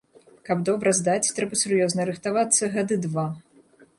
Каб добра здаць, трэба сур'ёзна рыхтавацца гады два.